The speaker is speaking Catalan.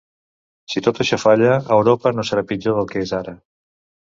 Si tot això falla, Europa no serà pitjor del que és ara.